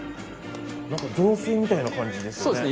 なんか雑炊みたいな感じですね。